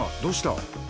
どうした？